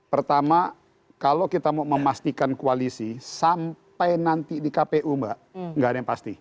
pertama kalau kita mau memastikan koalisi sampai nanti di kpu mbak nggak ada yang pasti